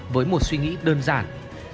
với một suy nghĩ đơn giản